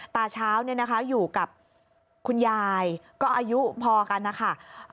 ตาเช้าอยู่กับคุณยายก็อายุพอกันนะคะ